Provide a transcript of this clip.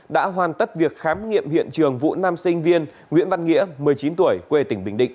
đã hoàn tất việc khám nghiệm hiện trường vụ nam sinh viên nguyễn văn nghĩa một mươi chín tuổi quê tỉnh bình định